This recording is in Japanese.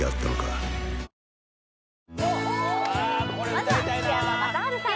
まずは福山雅治さん